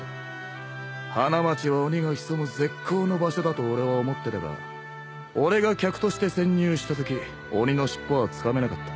花街は鬼が潜む絶好の場所だと俺は思ってたが俺が客として潜入したとき鬼の尻尾はつかめなかった。